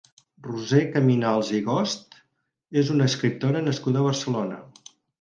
Roser Caminals i Gost és una escriptora nascuda a Barcelona.